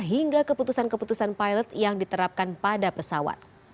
hingga keputusan keputusan pilot yang diterapkan pada pesawat